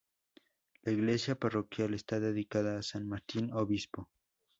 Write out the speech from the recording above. La iglesia parroquial está dedicada a san Martín obispo.